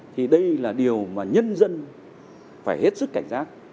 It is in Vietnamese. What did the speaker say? thì đây là điều mà nhân dân phải hết sức cảnh giác